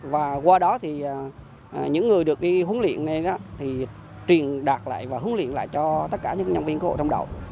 và qua đó thì những người được đi huấn luyện này thì truyền đạt lại và huấn luyện lại cho tất cả những nhân viên cứu hộ trong đậu